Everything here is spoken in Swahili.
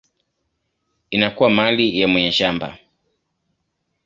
inakuwa mali ya mwenye shamba.